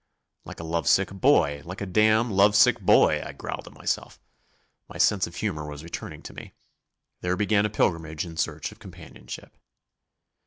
"Like a love sick boy like a damn love sick boy," I growled at myself. My sense of humour was returning to me. There began a pilgrimage in search of companionship.